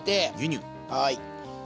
はい。